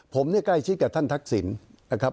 ผมเนี่ยใกล้ชิดกับท่านทักษิณนะครับ